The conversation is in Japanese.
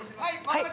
はい。